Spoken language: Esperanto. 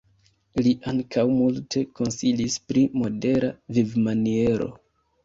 Li ankaŭ multe konsilis pri modera vivmaniero.